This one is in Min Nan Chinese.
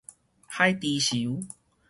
海豬泅